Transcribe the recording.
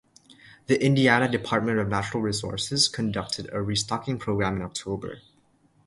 The Indiana Department of Natural Resources conducted a restocking program in October.